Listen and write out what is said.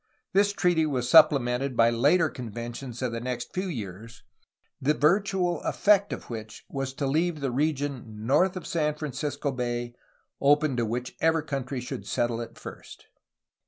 This treaty was supple mented by later conventions of the next few years, the virtual effect of which was to leave the region north of San Francisco Bay open to whichever country should settle it first.